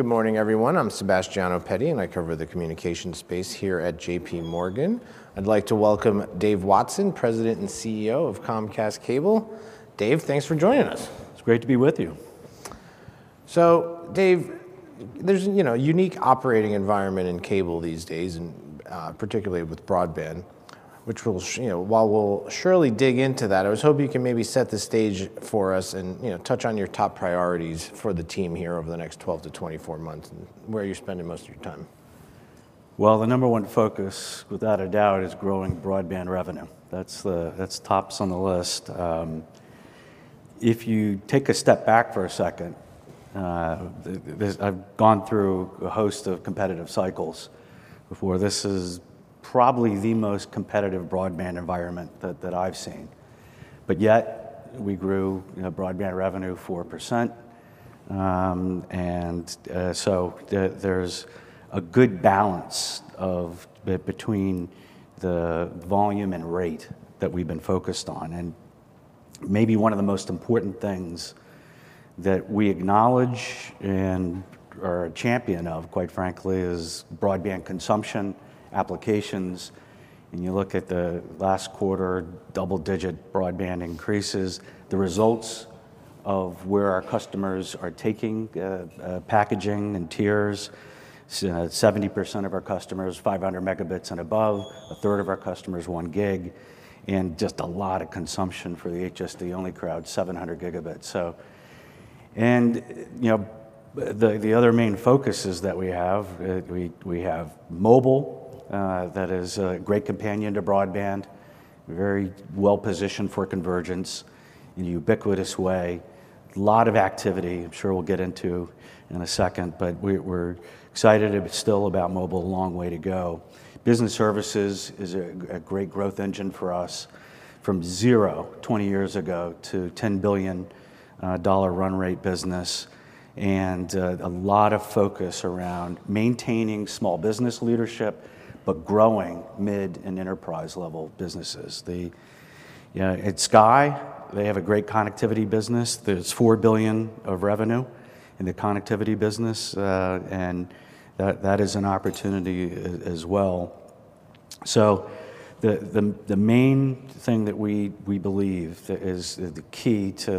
Good morning, everyone. I'm Sebastiano Petti, and I cover the communication space here at J.P. Morgan. I'd like to welcome Dave Watson, President and CEO of Comcast Cable. Dave, thanks for joining us. It's great to be with you. So, Dave, there's, you know, a unique operating environment in cable these days, and, particularly with broadband, which we'll, you know, while we'll surely dig into that, I was hoping you can maybe set the stage for us and, you know, touch on your top priorities for the team here over the next 12-24 months, and where you're spending most of your time? Well, the number one focus, without a doubt, is growing broadband revenue. That's the—that's tops on the list. If you take a step back for a second, I've gone through a host of competitive cycles before. This is probably the most competitive broadband environment that I've seen. But yet, we grew, you know, broadband revenue 4%. And there's a good balance between the volume and rate that we've been focused on. And maybe one of the most important things that we acknowledge and are a champion of, quite frankly, is broadband consumption applications. When you look at the last quarter, double-digit broadband increases, the results of where our customers are taking packaging and tiers, 70% of our customers, 500 megabits and above, a third of our customers, 1 gig, and just a lot of consumption for the HSD-only crowd, 700 gigabits, so. You know, the other main focuses that we have, we have mobile, that is a great companion to broadband, very well-positioned for convergence in a ubiquitous way. A lot of activity, I'm sure we'll get into in a second, but we're excited, it's still about mobile, a long way to go. Business services is a great growth engine for us, from zero 20 years ago to $10 billion dollar run rate business, and a lot of focus around maintaining small business leadership, but growing mid and enterprise-level businesses. You know, at Sky, they have a great connectivity business that is $4 billion of revenue in the connectivity business, and that is an opportunity as well. So the main thing that we believe that is the key to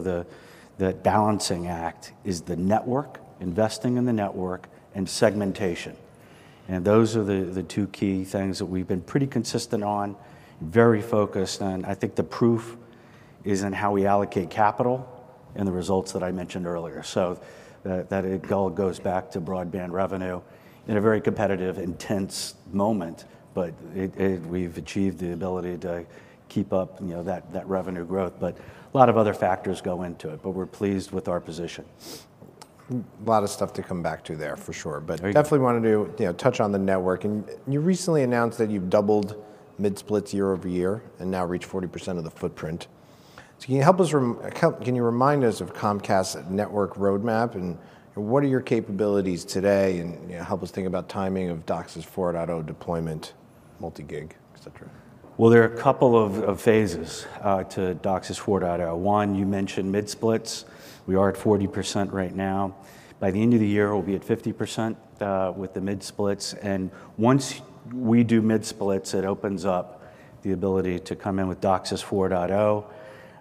the balancing act is the network, investing in the network, and segmentation. And those are the two key things that we've been pretty consistent on, very focused on. I think the proof is in how we allocate capital and the results that I mentioned earlier. So that it all goes back to broadband revenue in a very competitive, intense moment, but we've achieved the ability to keep up, you know, that revenue growth. But a lot of other factors go into it, but we're pleased with our position. A lot of stuff to come back to there, for sure. Right. But definitely wanted to, you know, touch on the network. You recently announced that you've doubled mid-splits year-over-year and now reach 40% of the footprint. So can you help us remind us of Comcast's network roadmap, and what are your capabilities today, and, you know, help us think about timing of DOCSIS 4.0 deployment, multi-gig, et cetera? Well, there are a couple of phases to DOCSIS 4.0. One, you mentioned mid-splits. We are at 40% right now. By the end of the year, we'll be at 50% with the mid-splits, and once we do mid-splits, it opens up the ability to come in with DOCSIS 4.0,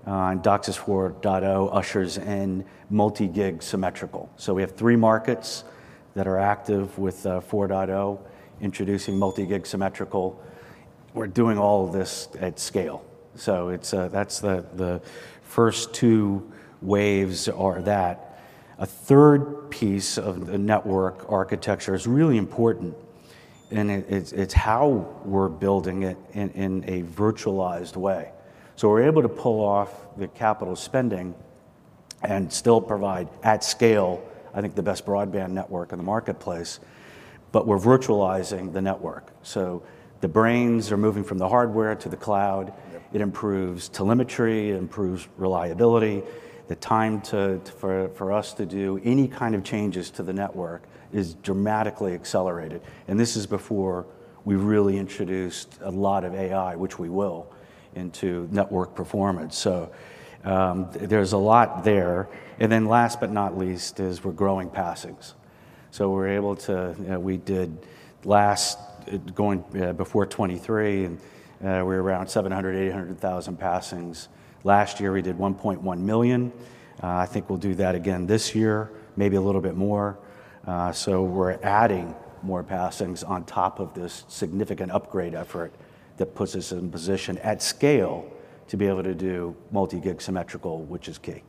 and DOCSIS 4.0 ushers in multi-gig symmetrical. So we have 3 markets that are active with 4.0, introducing multi-gig symmetrical. We're doing all of this at scale, so that's the first two waves are that. A third piece of the network architecture is really important, and it's how we're building it in a virtualized way. So we're able to pull off the capital spending and still provide, at scale, I think the best broadband network in the marketplace, but we're virtualizing the network. So the brains are moving from the hardware to the cloud. Yep. It improves telemetry, it improves reliability. The time for us to do any kind of changes to the network is dramatically accelerated, and this is before we've really introduced a lot of AI, which we will, into network performance. So, there's a lot there. And then last but not least is we're growing passings. So we're able to. We did last going before 2023, and we were around 700-800 thousand passings. Last year, we did 1.1 million. I think we'll do that again this year, maybe a little bit more. So we're adding more passings on top of this significant upgrade effort that puts us in a position at scale to be able to do multi-gig symmetrical, which is key.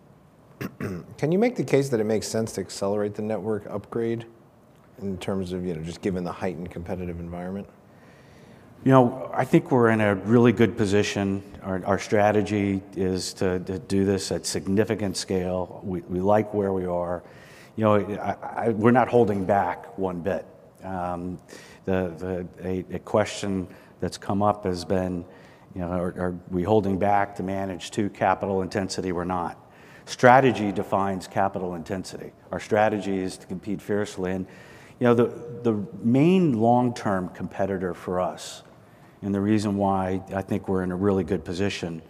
Can you make the case that it makes sense to accelerate the network upgrade in terms of, you know, just given the heightened competitive environment? You know, I think we're in a really good position. Our strategy is to do this at significant scale. We like where we are. You know, we're not holding back one bit. The question that's come up has been, you know, are we holding back to manage capital intensity? We're not. Strategy defines capital intensity. Our strategy is to compete fiercely. You know, the main long-term competitor for us and the reason why I think we're in a really good position,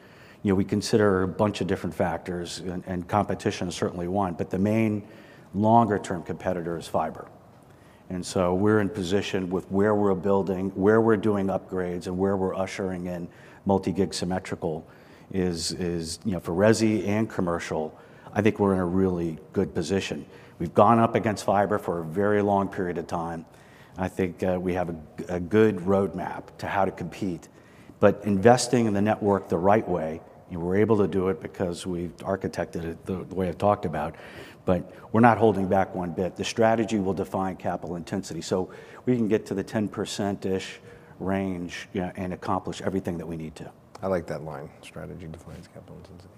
you know, we consider a bunch of different factors, and competition is certainly one, but the main longer-term competitor is Fiber. So we're in position with where we're building, where we're doing upgrades, and where we're ushering in multi-gig symmetrical is, you know, for resi and commercial. I think we're in a really good position. We've gone up against fiber for a very long period of time, and I think we have a good roadmap to how to compete. But investing in the network the right way, and we're able to do it because we've architected it the way I've talked about, but we're not holding back one bit. The strategy will define capital intensity, so we can get to the 10%-ish range, yeah, and accomplish everything that we need to. I like that line, "Strategy defines capital intensity."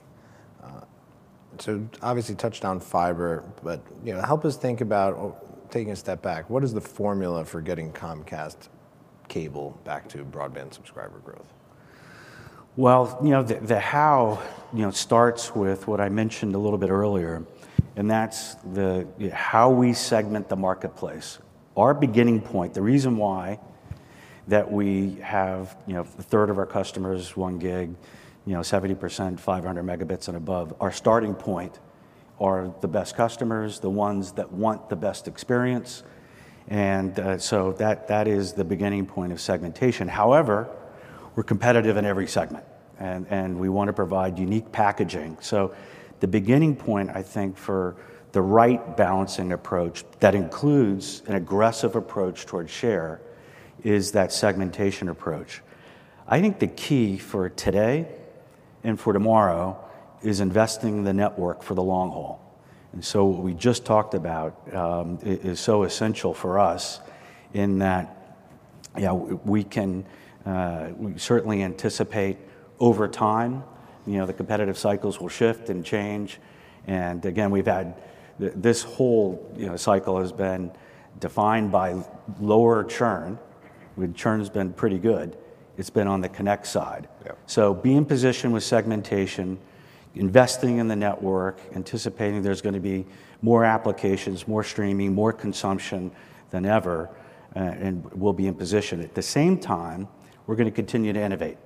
So obviously you touched on fiber, but, you know, help us think about, taking a step back, what is the formula for getting Comcast Cable back to broadband subscriber growth? Well, you know, the how, you know, starts with what I mentioned a little bit earlier, and that's the how we segment the marketplace. Our beginning point, the reason why that we have, you know, a third of our customers 1 gig, you know, 70% 500 megabits and above, our starting point are the best customers, the ones that want the best experience, and so that, that is the beginning point of segmentation. However, we're competitive in every segment, and we want to provide unique packaging. So the beginning point, I think, for the right balancing approach that includes an aggressive approach towards share, is that segmentation approach. I think the key for today and for tomorrow is investing in the network for the long haul. So what we just talked about is so essential for us in that, you know, we certainly anticipate over time, you know, the competitive cycles will shift and change. Again, we've had this whole, you know, cycle has been defined by lower churn. When churn has been pretty good, it's been on the connect side. Yeah. So be in position with segmentation, investing in the network, anticipating there's going to be more applications, more streaming, more consumption than ever, and we'll be in position. At the same time, we're going to continue to innovate,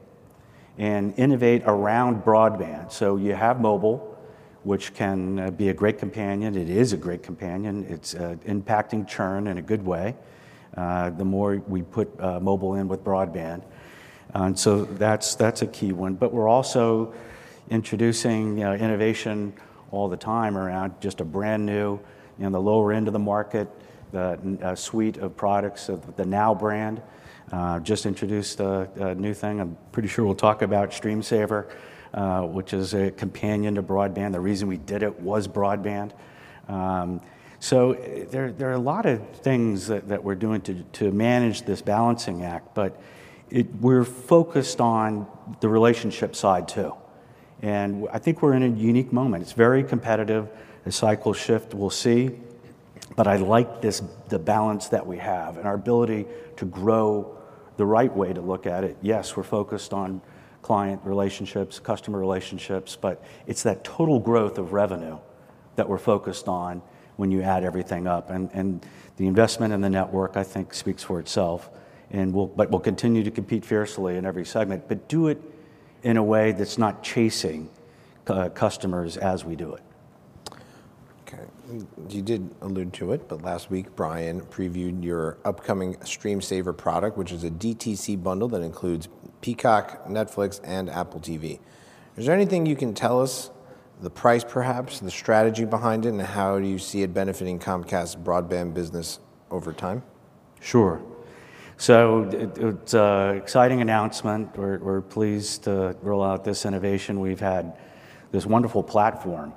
and innovate around broadband. So you have mobile, which can be a great companion. It is a great companion. It's impacting churn in a good way, the more we put mobile in with broadband. And so that's a key one. But we're also introducing, you know, innovation all the time around just a brand-new, in the lower end of the market, the suite of products of the NOW brand. Just introduced a new thing. I'm pretty sure we'll talk about StreamSaver, which is a companion to broadband. The reason we did it was broadband. So there are a lot of things that we're doing to manage this balancing act, but we're focused on the relationship side, too, and I think we're in a unique moment. It's very competitive, a cycle shift we'll see, but I like the balance that we have and our ability to grow the right way to look at it. Yes, we're focused on client relationships, customer relationships, but it's that total growth of revenue that we're focused on when you add everything up. And the investment in the network, I think, speaks for itself, but we'll continue to compete fiercely in every segment, but do it in a way that's not chasing customers as we do it. Okay. You did allude to it, but last week, Brian previewed your upcoming StreamSaver product, which is a DTC bundle that includes Peacock, Netflix, and Apple TV. Is there anything you can tell us, the price perhaps, the strategy behind it, and how you see it benefiting Comcast's broadband business over time? Sure. So it's an exciting announcement. We're pleased to roll out this innovation. We've had this wonderful platform,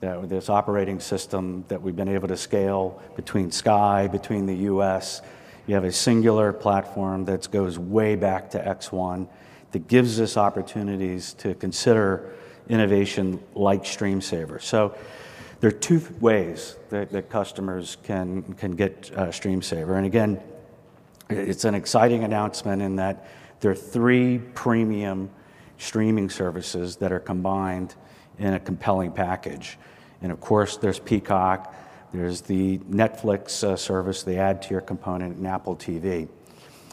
this operating system that we've been able to scale between Sky, between the US. You have a singular platform that goes way back to X1 that gives us opportunities to consider innovation like StreamSaver. So there are two ways that customers can get StreamSaver. And again, it's an exciting announcement in that there are three premium streaming services that are combined in a compelling package. And of course, there's Peacock, there's the Netflix service, the ad-tier component, and Apple TV.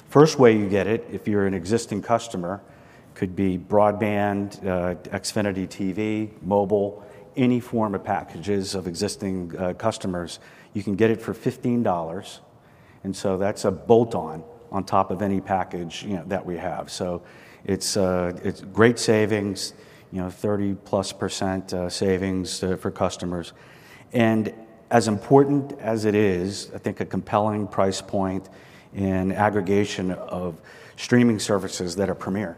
First way you get it, if you're an existing customer, could be broadband, Xfinity TV, mobile, any form of packages of existing, customers, you can get it for $15, and so that's a bolt-on on top of any package, you know, that we have. So it's, it's great savings, you know, 30%+ savings for customers. And as important as it is, I think a compelling price point and aggregation of streaming services that are premier,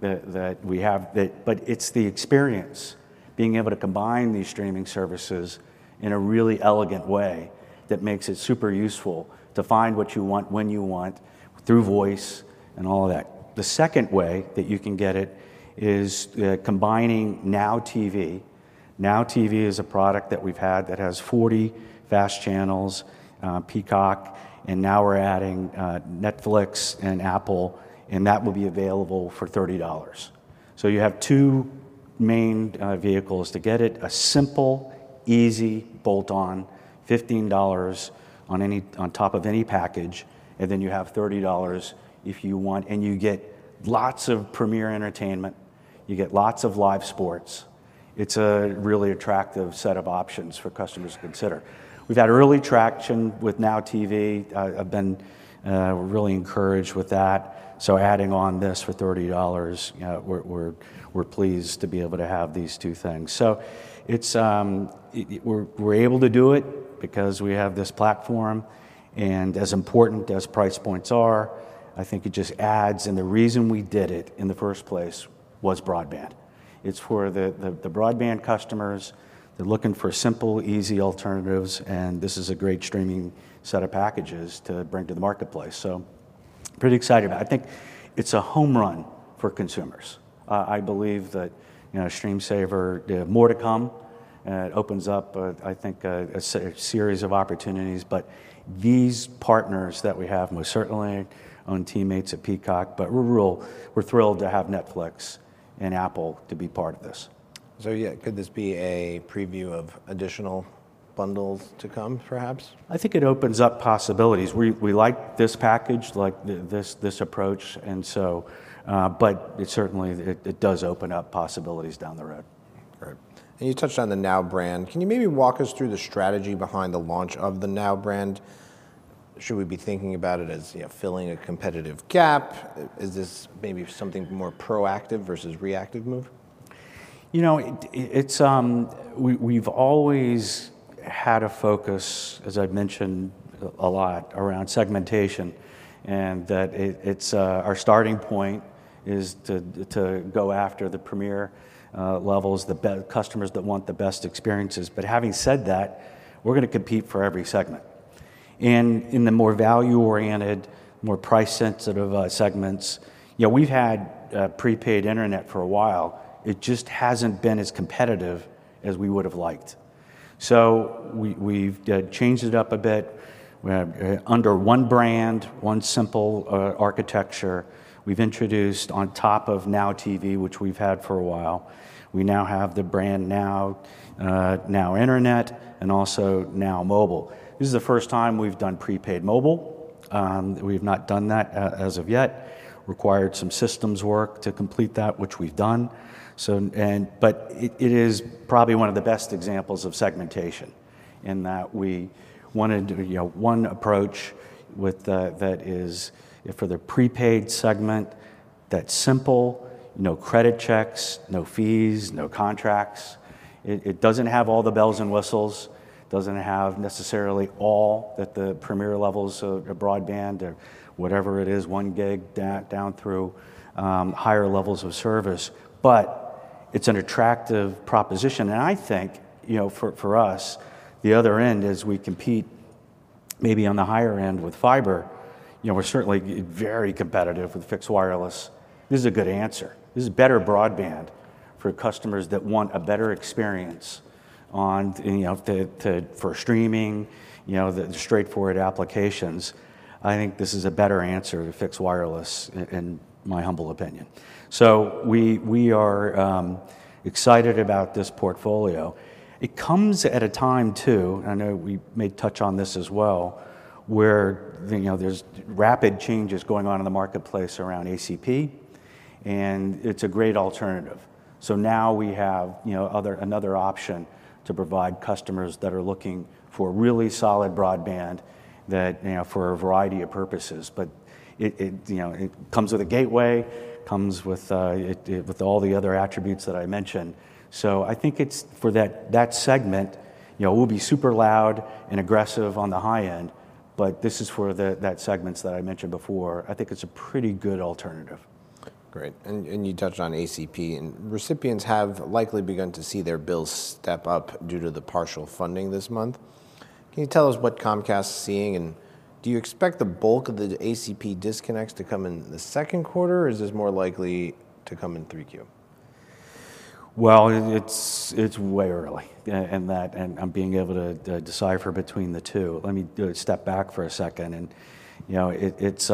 that, that we have that. But it's the experience, being able to combine these streaming services in a really elegant way that makes it super useful to find what you want, when you want, through voice and all that. The second way that you can get it is, combining NOW TV. NOW TV is a product that we've had that has 40 FAST channels, Peacock, and now we're adding Netflix and Apple, and that will be available for $30. So you have two main vehicles to get it: a simple, easy, bolt-on, fifteen dollars on any- on top of any package, and then you have $30 if you want, and you get lots of premier entertainment, you get lots of live sports. It's a really attractive set of options for customers to consider. We've had early traction with NOW TV. I, I've been really encouraged with that. So adding on this for $30, we're, we're, we're pleased to be able to have these two things. So it's, we're able to do it because we have this platform, and as important as price points are, I think it just adds, and the reason we did it in the first place was broadband. It's for the broadband customers. They're looking for simple, easy alternatives, and this is a great streaming set of packages to bring to the marketplace, so pretty excited about it. I think it's a home run for consumers. I believe that, you know, StreamSaver, more to come, it opens up, I think, a series of opportunities. But these partners that we have, most certainly our teammates at Peacock, but we're thrilled to have Netflix and Apple to be part of this. So yeah, could this be a preview of additional bundles to come, perhaps? I think it opens up possibilities. We like this package, like this approach, and so. But it certainly does open up possibilities down the road. Great. You touched on the NOW brand. Can you maybe walk us through the strategy behind the launch of the NOW brand? Should we be thinking about it as, you know, filling a competitive gap? Is this maybe something more proactive versus reactive move? You know, it's... We've always had a focus, as I've mentioned a lot, around segmentation, and that it's our starting point is to go after the premier levels, the best customers that want the best experiences. But having said that, we're gonna compete for every segment. And in the more value-oriented, more price-sensitive segments, you know, we've had prepaid internet for a while. It just hasn't been as competitive as we would have liked. So we've changed it up a bit. Under one brand, one simple architecture, we've introduced on top of NOW TV, which we've had for a while, we now have the brand NOW Internet and also NOW Mobile. This is the first time we've done prepaid mobile. We've not done that as of yet. Required some systems work to complete that, which we've done. But it is probably one of the best examples of segmentation in that we wanted, you know, one approach that is for the prepaid segment, that's simple, no credit checks, no fees, no contracts. It doesn't have all the bells and whistles, doesn't have necessarily all that the premium levels of broadband or whatever it is, one gig down through higher levels of service, but it's an attractive proposition. I think, you know, for us, the other end is we compete maybe on the higher end with fiber. You know, we're certainly very competitive with fixed wireless. This is a good answer. This is better broadband for customers that want a better experience, you know, for streaming, you know, the straightforward applications. I think this is a better answer to fixed wireless, in my humble opinion. So we are excited about this portfolio. It comes at a time too, I know we may touch on this as well, where, you know, there's rapid changes going on in the marketplace around ACP, and it's a great alternative. So now we have, you know, another option to provide customers that are looking for really solid broadband, that, you know, for a variety of purposes. But it, you know, it comes with a gateway, comes with it, with all the other attributes that I mentioned. So I think it's for that segment, you know, we'll be super loud and aggressive on the high end, but this is for that segments that I mentioned before. I think it's a pretty good alternative. Great. And, you touched on ACP, and recipients have likely begun to see their bills step up due to the partial funding this month. Can you tell us what Comcast is seeing, and do you expect the bulk of the ACP disconnects to come in the second quarter, or is this more likely to come in 3Q? Well, it's way early, yeah, and I'm able to decipher between the two. Let me step back for a second and, you know, it's...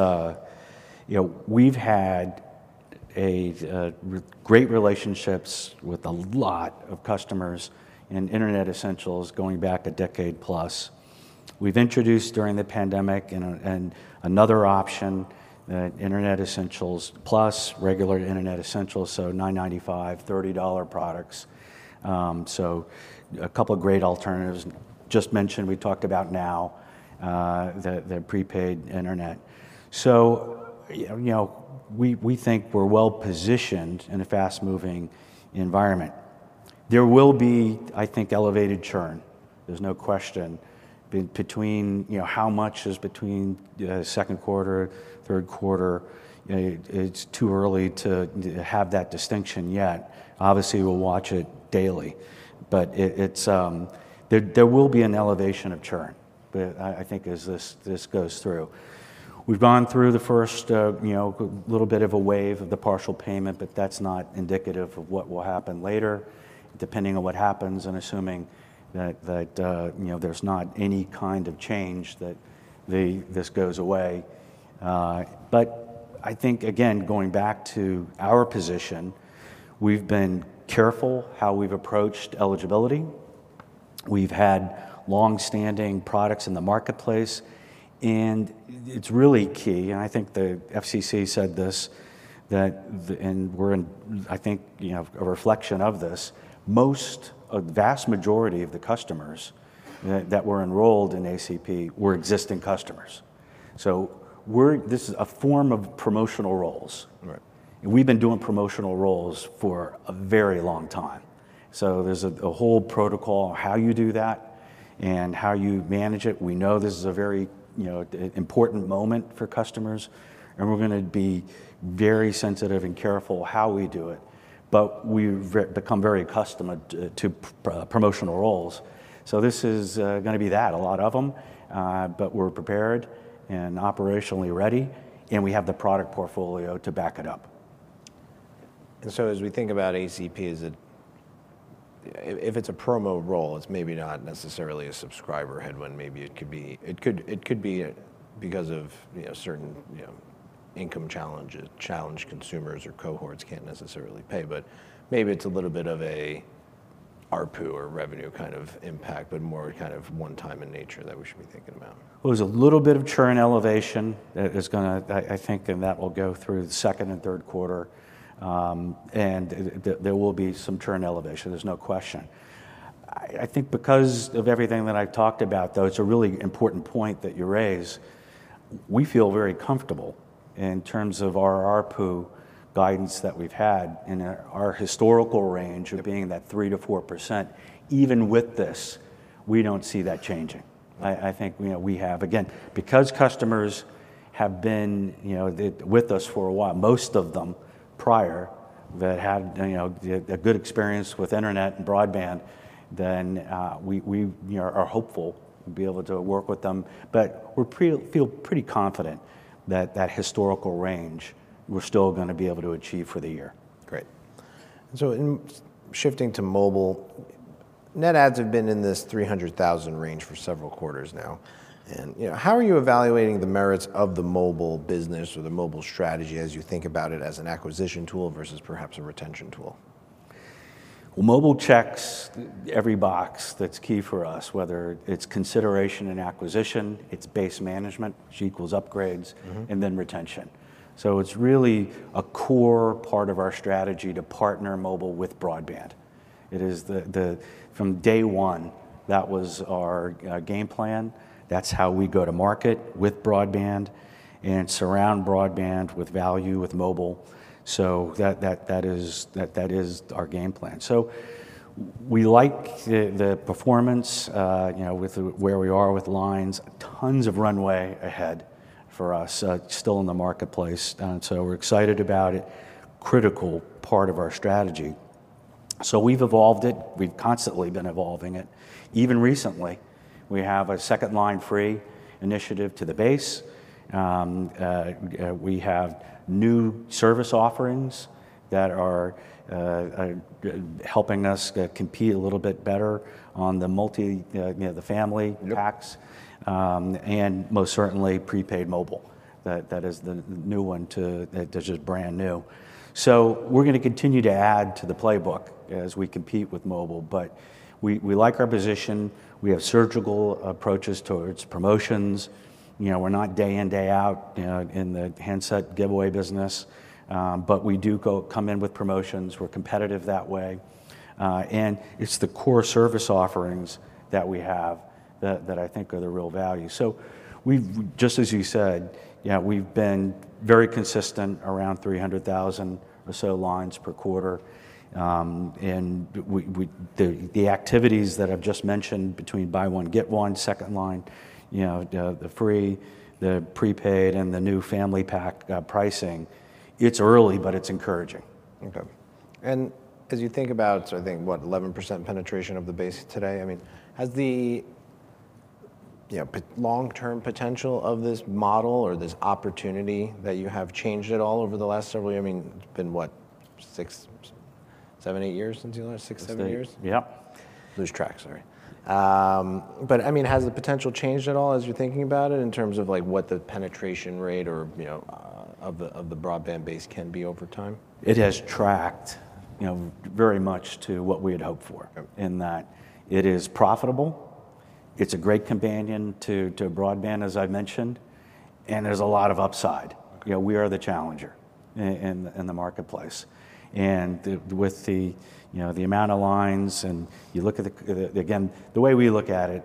You know, we've had a great relationships with a lot of customers and Internet Essentials going back a decade plus. We've introduced during the pandemic and another option, Internet Essentials Plus, regular Internet Essentials, so $9.95, $30 products. So a couple of great alternatives. Just mentioned, we talked about NOW, the prepaid internet. So, you know, we think we're well-positioned in a fast-moving environment. There will be, I think, elevated churn. There's no question. Between, you know, how much is between the second quarter, third quarter, it's too early to have that distinction yet. Obviously, we'll watch it daily, but there will be an elevation of churn, but I think as this goes through. We've gone through the first, you know, little bit of a wave of the partial payment, but that's not indicative of what will happen later, depending on what happens, and assuming that, you know, there's not any kind of change that this goes away. But I think, again, going back to our position, we've been careful how we've approached eligibility. We've had long-standing products in the marketplace, and it's really key, and I think the FCC said this, that and we're in, I think, you know, a reflection of this, a vast majority of the customers that were enrolled in ACP were existing customers. So this is a form of promotional roles. Right. We've been doing promotional roles for a very long time. There's a whole protocol on how you do that and how you manage it. We know this is a very, you know, important moment for customers, and we're gonna be very sensitive and careful how we do it. We've become very accustomed to promotional roles. This is gonna be that, a lot of them, but we're prepared and operationally ready, and we have the product portfolio to back it up. And so as we think about ACP, is it... If, if it's a promo role, it's maybe not necessarily a subscriber headwind. Maybe it could be, it could, it could be because of, you know, certain, you know, income challenges, challenged consumers or cohorts can't necessarily pay. But maybe it's a little bit of an ARPU or revenue kind of impact, but more kind of one-time in nature that we should be thinking about. Well, there's a little bit of churn elevation that is gonna, I, I think, and that will go through the second and third quarter, and there, there will be some churn elevation, there's no question. I, I think, because of everything that I've talked about, though, it's a really important point that you raise. We feel very comfortable in terms of our ARPU guidance that we've had in our historical range of being in that 3%-4%. Even with this, we don't see that changing. I, I think, you know, we have, again, because customers have been, you know, with us for a while, most of them prior, that have, you know, a good experience with internet and broadband, then, we, we, you know, are hopeful we'll be able to work with them. But we're pretty confident that that historical range, we're still gonna be able to achieve for the year. Great. So in shifting to mobile, net adds have been in this 300,000 range for several quarters now, and, you know, how are you evaluating the merits of the mobile business or the mobile strategy as you think about it as an acquisition tool versus perhaps a retention tool? Well, mobile checks every box that's key for us, whether it's consideration and acquisition, it's base management, which equals upgrades. Mm-hmm. And then retention. So it's really a core part of our strategy to partner mobile with broadband. It is the. From day one, that was our game plan. That's how we go to market with broadband and surround broadband with value, with mobile. So that is our game plan. So we like the performance, you know, with where we are with lines. Tons of runway ahead for us, still in the marketplace, and so we're excited about it, critical part of our strategy. So we've evolved it, we've constantly been evolving it. Even recently, we have a second line free initiative to the base. We have new service offerings that are helping us compete a little bit better on the multi, you know, the family packs. Yep. And most certainly, prepaid mobile. That is the new one too, that is just brand new. So we're gonna continue to add to the playbook as we compete with mobile, but we like our position. We have surgical approaches towards promotions. You know, we're not day in, day out, you know, in the handset giveaway business, but we do come in with promotions. We're competitive that way, and it's the core service offerings that we have that I think are the real value. So we've just as you said, you know, we've been very consistent, around 300,000 or so lines per quarter. And the activities that I've just mentioned between buy one, get one, second line, you know, the free, the prepaid, and the new family pack pricing, it's early, but it's encouraging. Okay. And as you think about, I think, what, 11% penetration of the base today, I mean, has the, you know, long-term potential of this model or this opportunity that you have changed at all over the last several years? I mean, it's been what, 6, 7, 8 years since you last... 6, 7 years? Yep. Lose track, sorry. But I mean, has the potential changed at all as you're thinking about it, in terms of, like, what the penetration rate or, you know, of the, of the broadband base can be over time? It has tracked, you know, very much to what we had hoped for- Okay... in that it is profitable, it's a great companion to broadband, as I mentioned, and there's a lot of upside. Okay. You know, we are the challenger in the marketplace. And with the, you know, the amount of lines, and you look at the... Again, the way we look at it,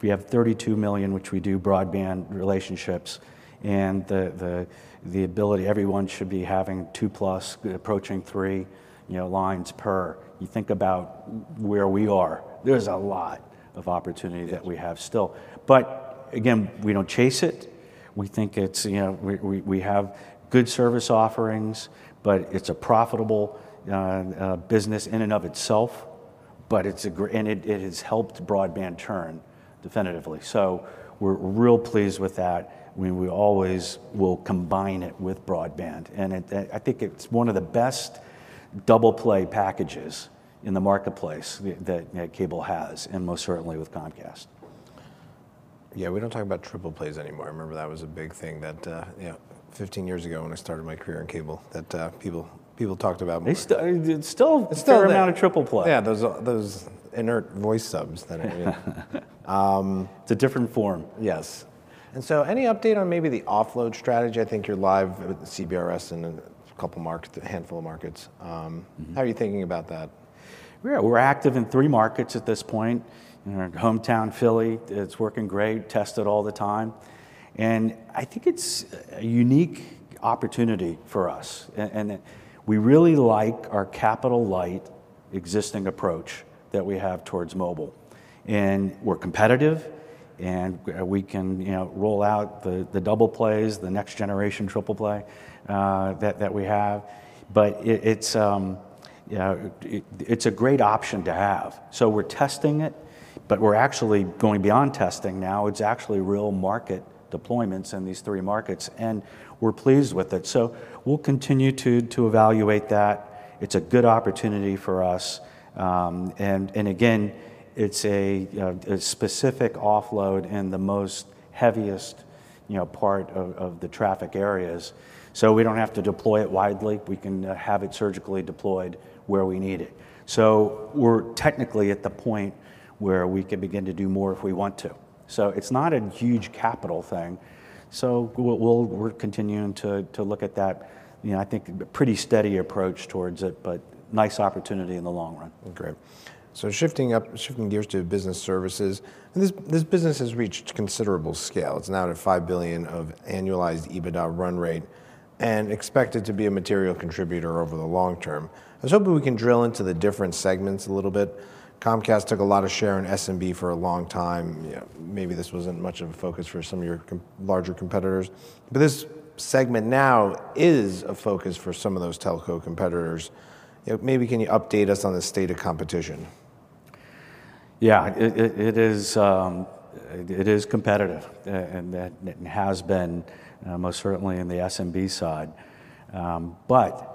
we have 32 million, which we do broadband relationships, and the ability, everyone should be having 2+, approaching 3, you know, lines per. You think about where we are, there's a lot of opportunity- Yes... that we have still. But again, we don't chase it. We think it's, you know, we have good service offerings, but it's a profitable business in and of itself, but it's great and it has helped broadband churn definitively. So we're real pleased with that. We always will combine it with broadband, and it, I think it's one of the best double play packages in the marketplace that cable has, and most certainly with Comcast.... Yeah, we don't talk about triple plays anymore. I remember that was a big thing that, you know, 15 years ago when I started my career in cable, that people talked about more. It's still- It's still there. An amount of triple play. Yeah, those inert voice subs that, It's a different form. Yes. And so any update on maybe the offload strategy? I think you're live with the CBRS in a couple markets, a handful of markets. Mm-hmm. How are you thinking about that? We're active in three markets at this point. In our hometown, Philly, it's working great, tested all the time, and I think it's a unique opportunity for us. And we really like our capital-light existing approach that we have towards mobile, and we're competitive, and we can, you know, roll out the, the double plays, the next generation triple play, that, that we have. But it's, you know, it's a great option to have. So we're testing it, but we're actually going beyond testing now. It's actually real market deployments in these three markets, and we're pleased with it. So we'll continue to evaluate that. It's a good opportunity for us. And again, it's a specific offload in the most heaviest, you know, part of the traffic areas. So we don't have to deploy it widely. We can have it surgically deployed where we need it. So we're technically at the point where we can begin to do more if we want to. So it's not a huge capital thing, so we're continuing to look at that, you know, I think a pretty steady approach towards it, but nice opportunity in the long run. Great. So shifting up, shifting gears to business services, and this, this business has reached considerable scale. It's now at $5 billion of annualized EBITDA run rate and expected to be a material contributor over the long term. I was hoping we can drill into the different segments a little bit. Comcast took a lot of share in SMB for a long time. You know, maybe this wasn't much of a focus for some of your larger competitors, but this segment now is a focus for some of those telco competitors. You know, maybe can you update us on the state of competition? Yeah, it is competitive, and that it has been most certainly in the SMB side. But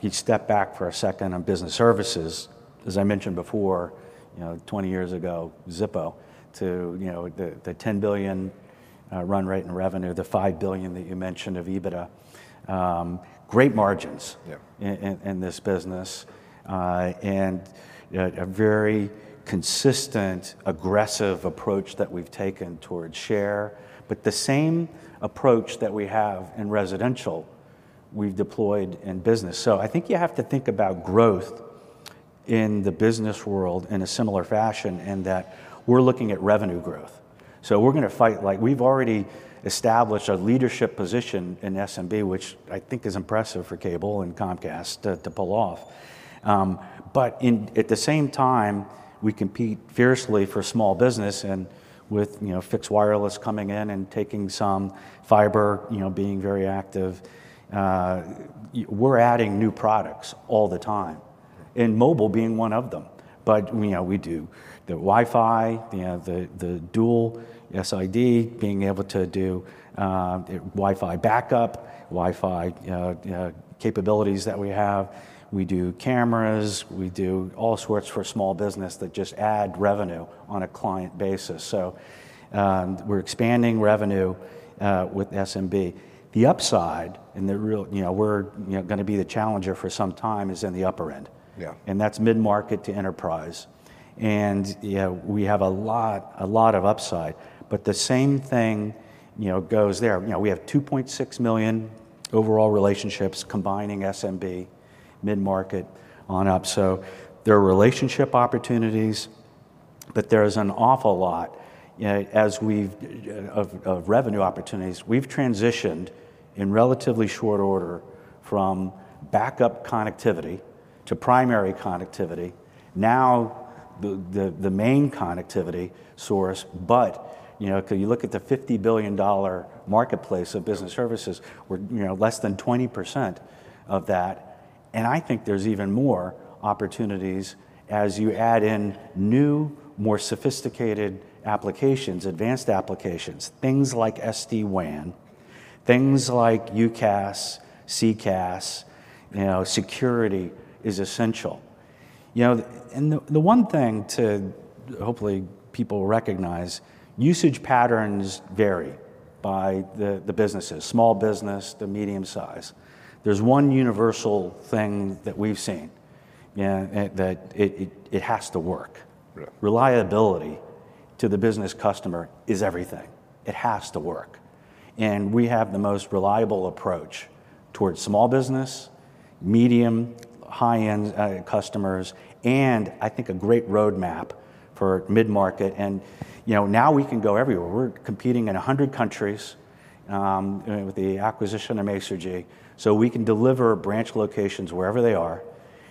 you step back for a second on business services, as I mentioned before, you know, 20 years ago, zippo to, you know, the $10 billion run rate in revenue, the $5 billion that you mentioned of EBITDA. Great margins- Yeah... in this business, and you know, a very consistent, aggressive approach that we've taken towards share. But the same approach that we have in residential, we've deployed in business. So I think you have to think about growth in the business world in a similar fashion, in that we're looking at revenue growth. So we're gonna fight, like we've already established a leadership position in SMB, which I think is impressive for cable and Comcast to pull off. But at the same time, we compete fiercely for small business and with, you know, fixed wireless coming in and taking some fiber, you know, being very active. We're adding new products all the time, and mobile being one of them. But, you know, we do the Wi-Fi, the dual SID, being able to do Wi-Fi backup, Wi-Fi capabilities that we have. We do cameras, we do all sorts for small business that just add revenue on a client basis, so, we're expanding revenue with SMB. The upside and the real... you know, we're, you know, gonna be the challenger for some time, is in the upper end. Yeah. And that's mid-market to enterprise, and, you know, we have a lot, a lot of upside, but the same thing, you know, goes there. You know, we have 2.6 million overall relationships combining SMB, mid-market on up, so there are relationship opportunities, but there is an awful lot, as we've, of revenue opportunities. We've transitioned in relatively short order from backup connectivity to primary connectivity, now the main connectivity source. But, you know, if you look at the $50 billion marketplace of business services, we're, you know, less than 20% of that, and I think there's even more opportunities as you add in new, more sophisticated applications, advanced applications, things like SD-WAN, things like UCaaS, CCaaS, you know, security is essential. You know, and the one thing to hopefully people recognize, usage patterns vary by the businesses, small business to medium size. There's one universal thing that we've seen, yeah, and that it has to work. Right. Reliability to the business customer is everything. It has to work, and we have the most reliable approach towards small business, medium, high-end, customers, and I think a great roadmap for mid-market, and, you know, now we can go everywhere. We're competing in 100 countries with the acquisition of Masergy, so we can deliver branch locations wherever they are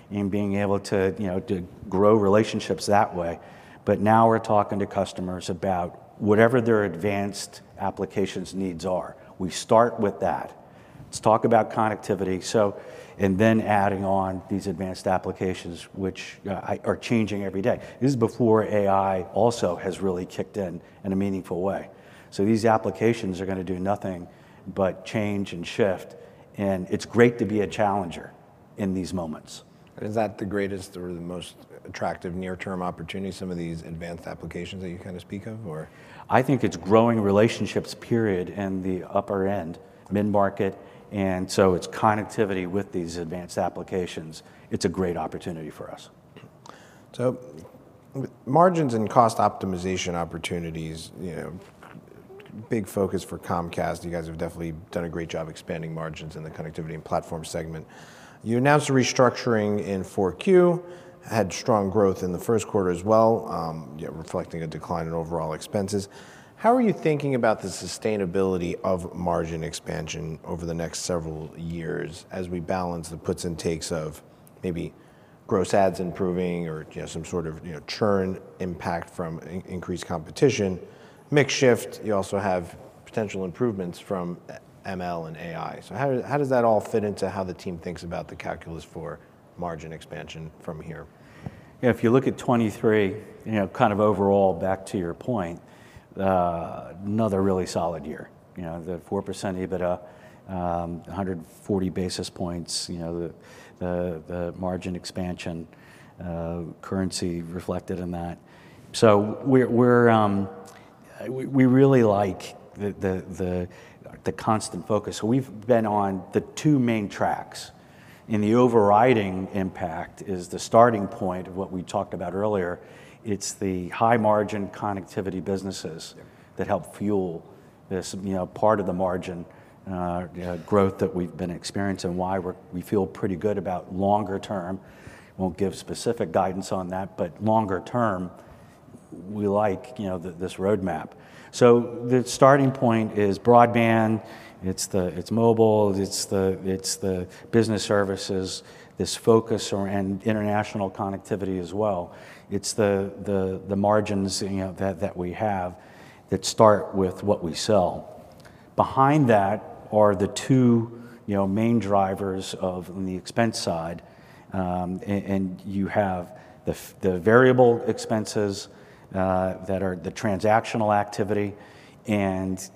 and being able to, you know, to grow relationships that way. But now we're talking to customers about whatever their advanced applications needs are. We start with that. Let's talk about connectivity, so, and then adding on these advanced applications, which are changing every day. This is before AI also has really kicked in in a meaningful way. So these applications are gonna do nothing but change and shift, and it's great to be a challenger in these moments. Is that the greatest or the most attractive near-term opportunity, some of these advanced applications that you kind of speak of, or? I think it's growing relationships, period, in the upper end, mid-market, and so it's connectivity with these advanced applications. It's a great opportunity for us. So margins and cost optimization opportunities, you know, big focus for Comcast. You guys have definitely done a great job expanding margins in the connectivity and platform segment. You announced a restructuring in Q4, had strong growth in the first quarter as well, yeah, reflecting a decline in overall expenses. How are you thinking about the sustainability of margin expansion over the next several years as we balance the puts and takes of maybe gross adds improving or, you know, some sort of, you know, churn impact from increased competition, mix shift? You also have potential improvements from ML and AI. So how does that all fit into how the team thinks about the calculus for margin expansion from here? If you look at 2023, you know, kind of overall, back to your point, another really solid year. You know, the 4% EBITDA, 140 basis points, you know, the margin expansion, currency reflected in that. So we're... We really like the constant focus. We've been on the two main tracks, and the overriding impact is the starting point of what we talked about earlier. It's the high-margin connectivity businesses- Yeah. that help fuel this, you know, part of the margin, you know, growth that we've been experiencing and why we feel pretty good about longer term. Won't give specific guidance on that, but longer term, we like, you know, this roadmap. So the starting point is broadband, it's mobile, it's the business services, this focus or, and international connectivity as well. It's the margins, you know, that we have that start with what we sell. Behind that are the two, you know, main drivers on the expense side, and you have the variable expenses that are the transactional activity, and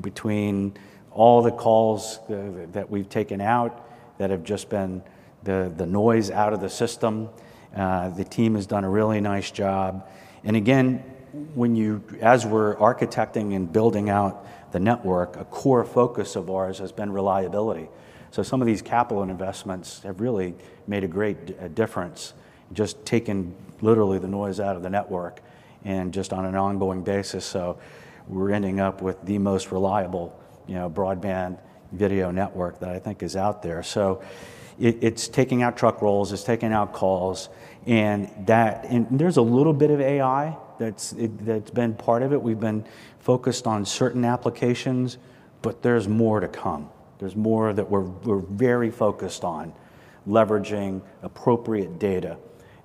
between all the calls that we've taken out that have just been the noise out of the system, the team has done a really nice job. And again, as we're architecting and building out the network, a core focus of ours has been reliability. So some of these capital investments have really made a great difference, just taking literally the noise out of the network and just on an ongoing basis. So we're ending up with the most reliable, you know, broadband video network that I think is out there. So it, it's taking out truck rolls, it's taking out calls, and that. And there's a little bit of AI that's been part of it. We've been focused on certain applications, but there's more to come. There's more that we're very focused on leveraging appropriate data,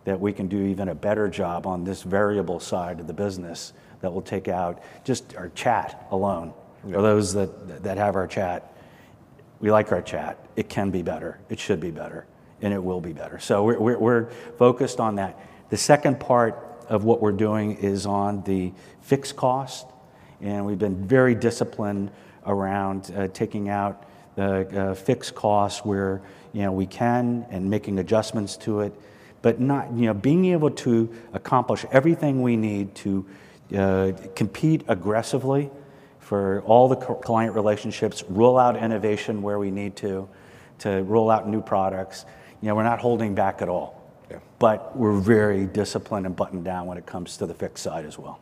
that we can do even a better job on this variable side of the business that will take out just our chat alone. Yeah. For those that have our chat, we like our chat. It can be better, it should be better, and it will be better. So we're focused on that. The second part of what we're doing is on the fixed cost, and we've been very disciplined around taking out the fixed costs where, you know, we can and making adjustments to it. But, you know, being able to accomplish everything we need to compete aggressively for all the client relationships, roll out innovation where we need to roll out new products. You know, we're not holding back at all. Yeah. But we're very disciplined and buttoned down when it comes to the fixed side as well.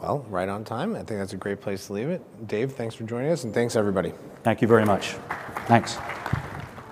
Well, right on time. I think that's a great place to leave it. Dave, thanks for joining us, and thanks, everybody. Thank you very much. Thanks.